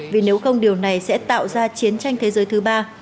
vì nếu không điều này sẽ tạo ra chiến tranh thế giới thứ ba